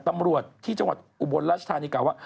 ตำรวจที่จังหวัดอุบลราชธานีกล่าวว่า